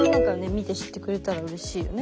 見て知ってくれたらうれしいよね。